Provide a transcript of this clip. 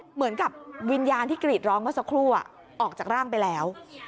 เหมือนกับวิญญาณที่กรีดร้องเมื่อสักครู่ออกจากร่างไปแล้ว